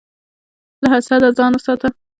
له حسده ځان وساته.